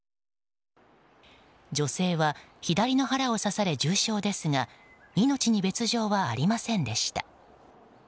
女性は左の腹を刺され重傷ですが命に別条はありませんでした。